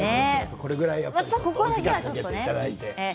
このぐらい時間かけていただいて。